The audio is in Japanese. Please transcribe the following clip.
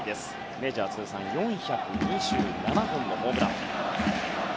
メジャー通算４２７本のホームラン。